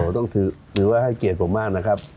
ต้องถือว่าให้เกียรติผมมากนะครับ